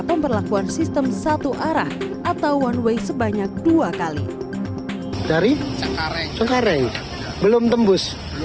pemerlakuan sistem satu arah atau one way sebanyak dua kali dari herum tembus